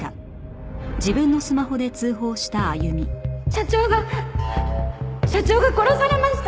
社長が社長が殺されました！